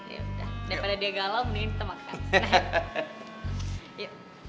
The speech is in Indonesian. yaudah daripada dia galau mending kita makan